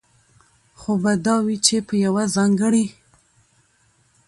خو به دا وي، چې په يوه ځانګړي